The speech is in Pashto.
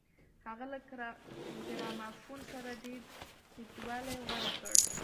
هغه له ګرامافون سره ډېر نږدېوالی غوره کړ